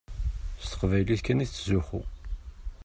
S teqbaylit kan i tettzuxxu.